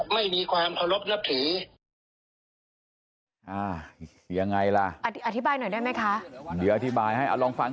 ไม่มีความเคารพนับถือ